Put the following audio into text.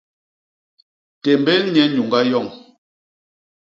Témbél nye nyuñga yoñ.